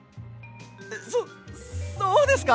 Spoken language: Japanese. そっそうですか？